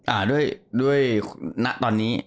อ่าด้วยด้วยณตอนนี้